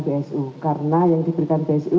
bsu karena yang diberikan bsu